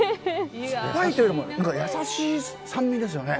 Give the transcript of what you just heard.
酸っぱいというよりも優しい酸味ですよね。